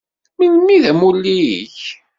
Melmi i d amulli-ik?